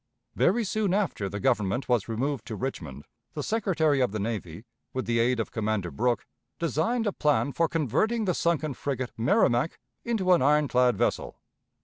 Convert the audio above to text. Very soon after the Government was removed to Richmond, the Secretary of the Navy, with the aid of Commander Brooke, designed a plan for converting the sunken frigate Merrimac into an iron clad vessel.